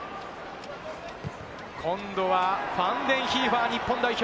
今度はファンデンヒーファー、日本代表。